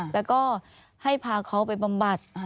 แล้วก็ให้พาเขาไปบำบัด